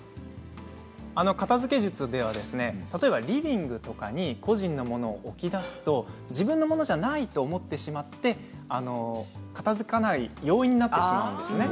片づけ術ではリビングとかに個人の物を置きだすと自分の物じゃないと思ってしまって片づかない要因になってしまうんです。